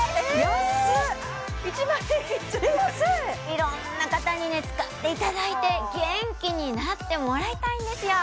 いろんな方にね使っていただいて元気になってもらいたいんですよ